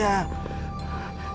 aku sudah berusaha untuk memastikan dia